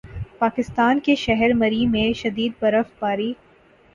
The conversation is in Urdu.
پاکستان کے شہر مری میں شدید برف باری